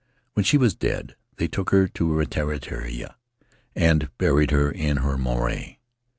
When she was dead, they took her to Raiatea and buried her in her marae.